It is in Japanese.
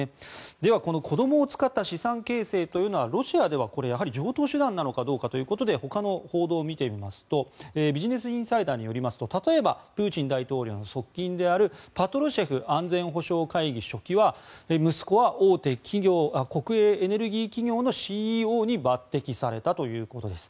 では、この子どもを使った資産形成というのはロシアではこれは常とう手段なのかどうかということでほかの報道を見てみますとビジネス・インサイダーによりますと例えばプーチン大統領の側近であるパトルシェフ安全保障会議書記は息子は大手国営エネルギー企業のＣＥＯに抜てきされたということです。